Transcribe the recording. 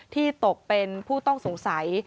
ที่ตกเป็นผู้ต้องสงสัย